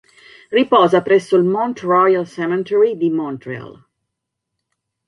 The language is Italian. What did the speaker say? Riposa presso il Mount Royal Cemetery di Montréal.